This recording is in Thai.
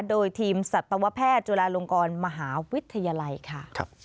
โดยทีมสัตวแพทย์จุฬาลงกรมหาวิทยาลัยค่ะ